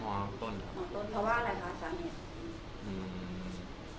เพราะว่าอะไรคะอาสารเนียะ